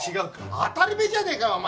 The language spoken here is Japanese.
当たりめえじゃねえかお前。